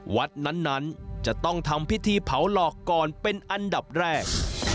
วัดนั้นจะต้องทำพิธีเผาหลอกก่อนเป็นอันดับแรก